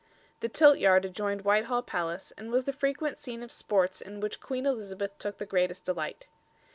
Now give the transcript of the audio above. The Tiltyard adjoined Whitehall Palace and was the frequent scene of sports in which Queen Elizabeth took the greatest delight.